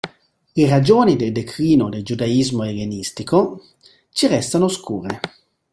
Le ragioni del declino del giudaismo ellenistico ci restano oscure.